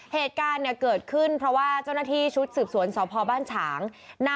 เหตุการณ์เนี่ยเกิดขึ้นเพราะว่าเจ้าหน้าที่ชุดสืบสวนสอบพอบ้านฉางนำหมายค้นที่เข้ามาค้นในห้องนอน